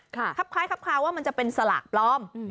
ครับคล้ายครับคราวว่ามันจะเป็นสลากปลอม